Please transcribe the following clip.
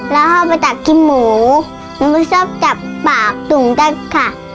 แล้วพอไปตักขี้หมูมันไม่ชอบจับปากตรงนั้นค่ะ